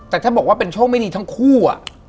แต่ถ้าบอกว่าเป็นโชคไม่ดีทั้งคู่